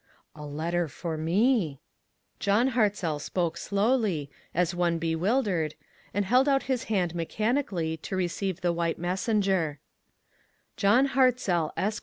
"A letter for me !" John Hartzell spoke slowly, as one bewil "LABORERS TOGETHER. 231; dered, and held out his hand mechanically to receive the white messenger* "John Hartzell, Esq."